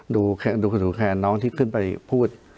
ดูขนูแขนน้องที่ขึ้นไปพูด